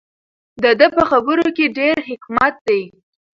د ده په خبرو کې ډېر حکمت دی.